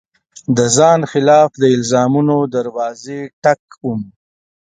د ځان خلاف د الزامونو دروازې ټک وم